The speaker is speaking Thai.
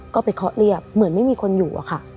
ก็ไปเคาะเรียบเหมือนไม่มีคนอยู่อะค่ะ